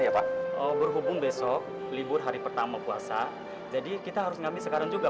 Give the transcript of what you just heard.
ya pak berhubung besok libur hari pertama puasa jadi kita harus ngambil sekarang juga